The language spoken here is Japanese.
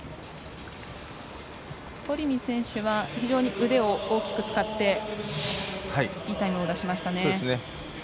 トリミ選手は非常に腕を大きく使っていいタイムを出しましたね。